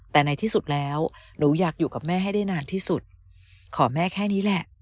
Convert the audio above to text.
แต่ในที่สุดแล้วหนูอยากอยู่กับแม่ให้ได้นานที่สุดขอแม่แค่นี้แหละ